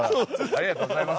ありがとうございます。